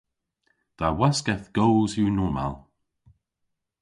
Dha waskedh goos yw normal.